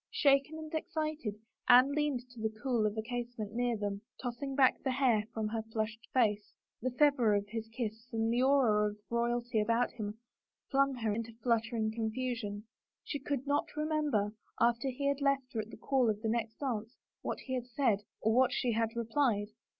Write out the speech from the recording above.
Shaken and excited, Anne leaned to the cool of a case ment near them, tossing back the hair from her flushed face. The fervor of his kiss and the aura of royalty about him flung her into fluttering confusion. She could not remember, after he had left her at the call of the next dance, what he had said or what she had replied.